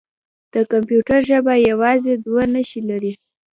د کمپیوټر ژبه یوازې دوه نښې لري.